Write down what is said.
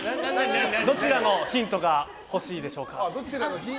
どちらのヒントが欲しいでしょうか。